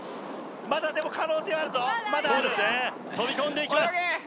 まだでも可能性はあるぞまだあるそうですね飛び込んでいきます泳げ！